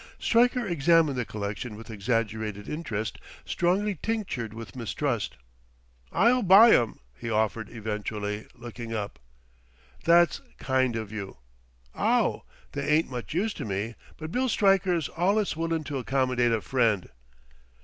Stryker examined the collection with exaggerated interest strongly tinctured with mistrust. "I'll buy 'em," he offered eventually, looking up. "That's kind of you " "Ow, they ain't much use to me, but Bill Stryker's allus willin' to accommodate a friend....